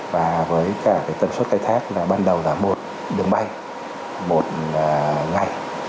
và với cả tần suất khai thác là ban đầu là một đường bay một ngày